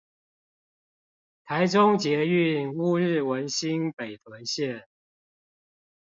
臺中捷運烏日文心北屯線